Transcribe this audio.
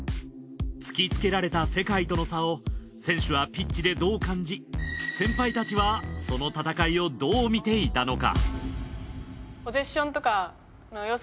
突きつけられた世界との差を選手はピッチでどう感じ先輩たちはその戦いをどう見ていたのか？